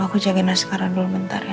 aku jagain aja sekarang dulu bentar ya